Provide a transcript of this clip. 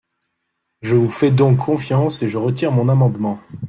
Je vous fais donc confiance et je retire mon amendement.